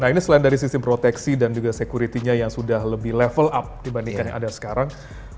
nah ini selain dari sistem proteksi dan juga security nya yang sudah lebih level up dibandingkan yang ada sekarang